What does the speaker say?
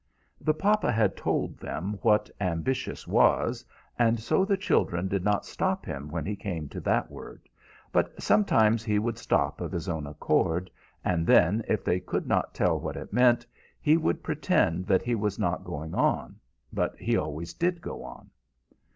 The papa had told them what ambitious was, and so the children did not stop him when he came to that word; but sometimes he would stop of his own accord, and then if they could not tell what it meant, he would pretend that he was not going on; but he always did go on.